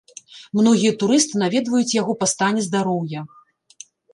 Многія турысты наведваюць яго па стане здароўя.